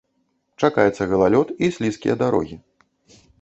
Чакаецца галалёд і слізкія дарогі.